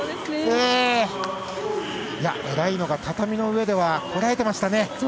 えらいのが畳の上ではこらえてましたね。